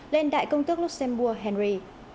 lên đại công tước luxembourg henry